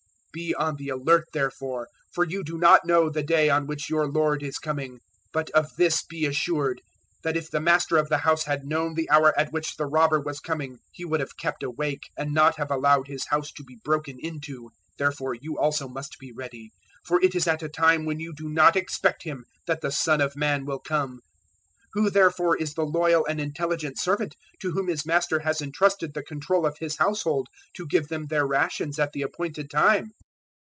024:042 Be on the alert therefore, for you do not know the day on which your Lord is coming. 024:043 But of this be assured, that if the master of the house had known the hour at which the robber was coming, he would have kept awake, and not have allowed his house to be broken into. 024:044 Therefore you also must be ready; for it is at a time when you do not expect Him that the Son of Man will come. 024:045 "Who therefore is the loyal and intelligent servant to whom his master has entrusted the control of his household to give them their rations at the appointed time?